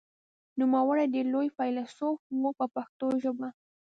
نوموړی ډېر لوی فیلسوف و په پښتو ژبه.